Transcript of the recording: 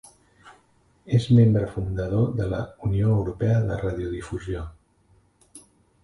És membre fundador de la Unió Europea de Radiodifusió.